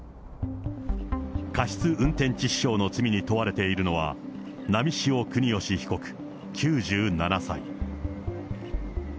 過失運転致死傷の罪に問われているのは、波汐國芳被告９７歳。